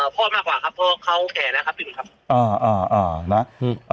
พ่อมากกว่าครับเพราะเขาแก่แล้วครับพี่หนุ่มครับอ่าอ่านะ